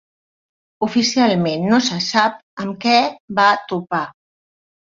Oficialment no se sap amb què va topar.